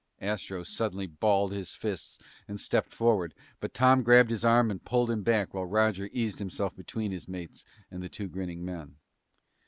Astro suddenly balled his fists and stepped forward, but Tom grabbed his arm and pulled him back while Roger eased himself between his mates and the two grinning men.